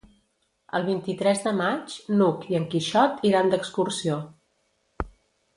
El vint-i-tres de maig n'Hug i en Quixot iran d'excursió.